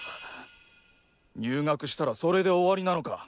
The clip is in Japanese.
入学したらそれで終わりなのか？